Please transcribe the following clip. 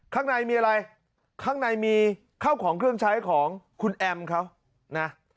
ข้างในมีอะไรข้างในมีข้าวของเครื่องใช้ของคุณแอมเขานะ